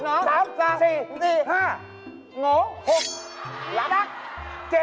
ลือลืมลืม